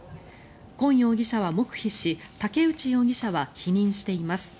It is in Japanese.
コン容疑者は黙秘し竹内容疑者は否認しています。